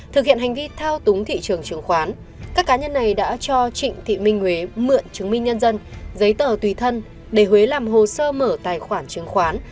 thực hiện hành vi thao túng thị trường chứng khoán các cá nhân này đã cho trịnh thị minh huế mượn chứng minh nhân dân giấy tờ tùy thân để huế làm hồ sơ mở tài khoản chứng khoán